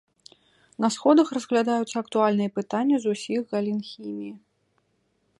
На сходах разглядаюцца актуальныя пытанні з усіх галін хіміі.